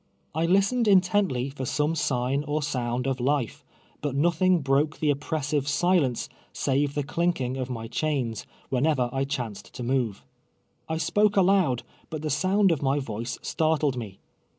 I listened intently for some sign or sound of life, l)ut nothing broke tlie oppressive silence, save the cliidving of my cliain<, ^\■hene\■l'r I ehauced to move. I s])o]ce aloud, but the sound of my voice startled me.